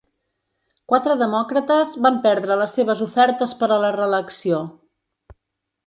Quatre demòcrates van perdre les seves ofertes per a la reelecció.